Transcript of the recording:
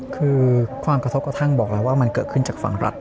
คือความกระทบกระทั่งบอกแล้วว่ามันเกิดขึ้นจากฝั่งรัฐ